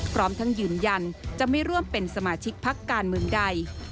พร้อมทั้งยืนยันจะไม่ร่วมเป็นสมาชิกพักการเมืองใด